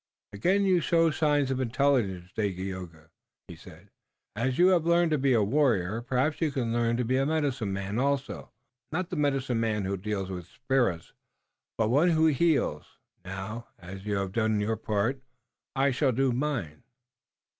"Again you show signs of intelligence, Dagaeoga," he said. "As you have learned to be a warrior, perhaps you can learn to be a medicine man also, not the medicine man who deals with spirits, but one who heals. Now, as you have done your part, I shall do mine."